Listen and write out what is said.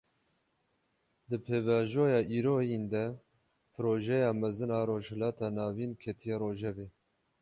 Di pêvajoya îroyîn de, Projeya Mezin a Rojhilata Navîn ketiye rojevê